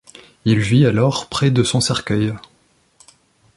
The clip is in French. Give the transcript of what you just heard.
Il vit alors près de son cercueil.